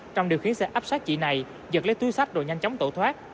trong điều khiển xe áp sát chị này giật lấy túi sách rồi nhanh chóng tổ thoát